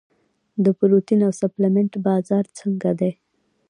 د پروټین او سپلیمنټ بازار څنګه دی؟